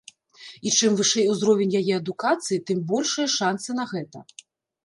І чым вышэй узровень яе адукацыі, тым большыя шанцы на гэта.